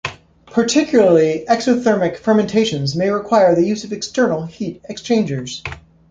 Particularly exothermic fermentations may require the use of external heat exchangers.